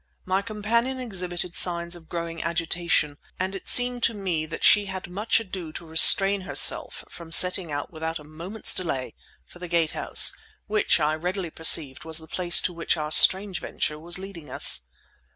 My companion exhibited signs of growing agitation, and it seemed to me that she had much ado to restrain herself from setting out without a moment's delay for the Gate House, which, I readily perceived, was the place to which our strange venture was leading us.